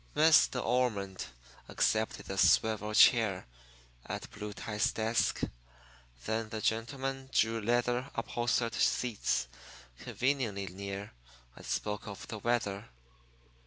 Miss De Ormond accepted the swivel chair at Blue Tie's desk. Then the gentlemen drew leather upholstered seats conveniently near, and spoke of the weather.